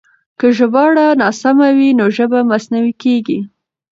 که ژباړه ناسمه وي نو ژبه مصنوعي کېږي.